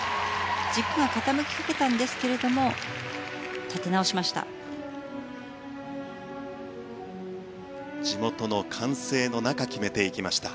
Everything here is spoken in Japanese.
軸が傾きかけたんですけども立て直しました。